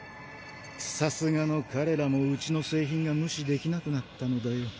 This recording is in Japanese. さすがの彼らもウチの製品が無視できなくなったのだよ。